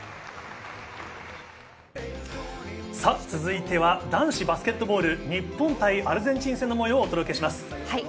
さぁ続いては男子バスケットボール、日本対アルゼンチン戦の模様をお届けします。